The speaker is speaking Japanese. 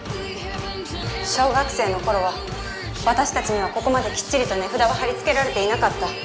小学生の頃は私たちにはここまできっちりと値札は貼り付けられていなかった。